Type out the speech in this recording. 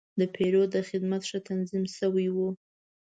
د پیرود خدمت ښه تنظیم شوی و.